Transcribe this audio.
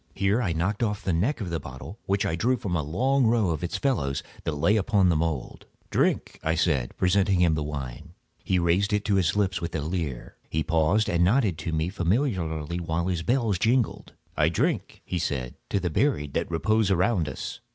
Here I knocked off the neck of a bottle which I drew from a long row of its fellows that lay upon the mould. "Drink," I said, presenting him the wine. He raised it to his lips with a leer. He paused and nodded to me familiarly, while his bells jingled. "I drink," he said, "to the buried that repose around us."